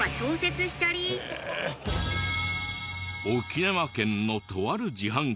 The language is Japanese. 沖縄県のとある自販機からは。